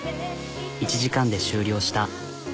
１時間で終了した。